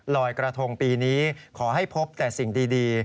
ลอยกระทงปีนี้ขอให้พบแต่สิ่งดี